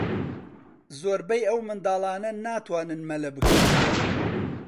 زۆربەی ئەو منداڵانە ناتوانن مەلە بکەن.